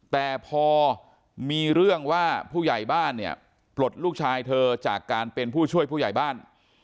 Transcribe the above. แต่พอมีเรื่องว่าผู้ใหญ่บ้านเนี่ยปลดลูกชายเธอจากการเป็นผู้ช่วยผู้ใหญ่บ้าน